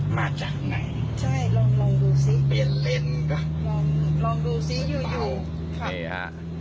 มาจากไหนใช่ลองดูซิเปลี่ยนเล่นก็ลองดูซิอยู่ใช่ค่ะ